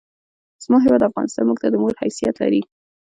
زما هېواد افغانستان مونږ ته د مور حیثیت لري!